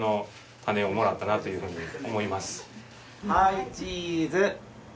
はいチーズ。